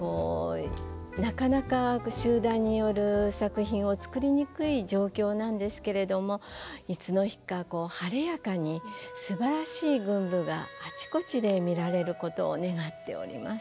なかなか集団による作品を作りにくい状況なんですけれどもいつの日かこう晴れやかにすばらしい群舞があちこちで見られることを願っております。